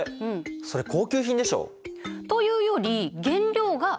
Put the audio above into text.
それ高級品でしょ？というより原料が違う。